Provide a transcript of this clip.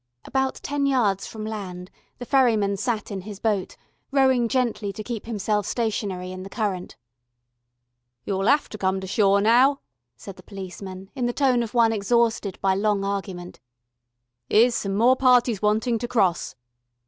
About ten yards from land the ferryman sat in his boat, rowing gently to keep himself stationary in the current. "You'll 'ave to come to shore now," said the policeman, in the tone of one exhausted by long argument. "'Ere's some more parties wanting to cross."